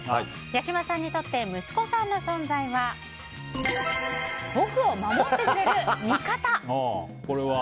八嶋さんにとって息子さんの存在は僕を守ってくれる味方。